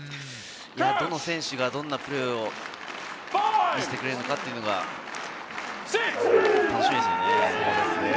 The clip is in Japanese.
どの選手がどんなプレーを見せてくれるのかっていうのが、楽しみですよね。